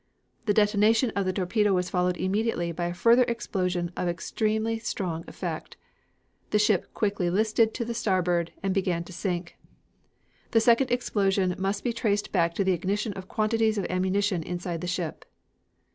The detonation of the torpedo was followed immediately by a further explosion of extremely strong effect. The ship quickly listed to starboard and began to sink. "The second explosion must be traced back to the ignition of quantities of ammunition inside the ship."